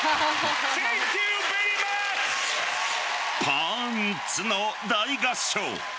パンツの大合唱。